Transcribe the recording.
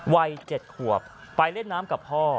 วัย๗ขวบไปเล่นน้ำกับพ่อ